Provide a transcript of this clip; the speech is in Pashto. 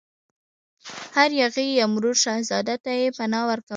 هر یاغي یا مرور شهزاده ته یې پناه ورکوله.